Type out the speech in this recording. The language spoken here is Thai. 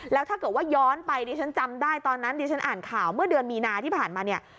แล้วถ้าเกิดว่าย้อนไปดิฉันจำได้ตอนนั้นดิฉันอ่านข่าวเมื่อเดือนมีนาที่ผ่านมาเนี่ย